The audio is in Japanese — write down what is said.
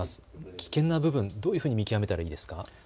危険な部分、どういうふうに見極めたらいいですか。